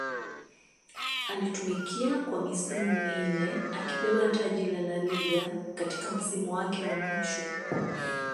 aliitumikia kwa misimu minne akibeba taji la La Liga katika msimu wake mwisho